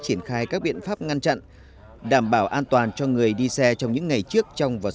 triển khai các biện pháp ngăn chặn đảm bảo an toàn cho người đi xe trong những ngày trước